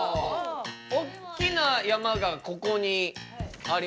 おっきな山がここにありますね。